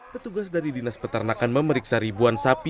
petugas dari dinas peternakan memeriksa ribuan sapi